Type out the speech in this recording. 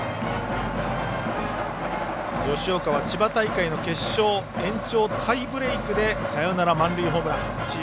吉岡は千葉大会の決勝延長タイブレークでサヨナラ満塁ホームラン。